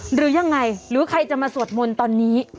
หรือยังไงหรือใครจะมาสวดมนต์ตอนนี้